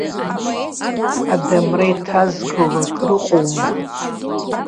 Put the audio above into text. Адамра иҭазгало акрыҟоума.